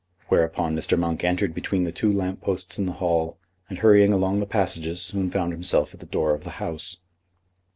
Whereupon Mr. Monk entered between the two lamp posts in the hall, and, hurrying along the passages, soon found himself at the door of the House.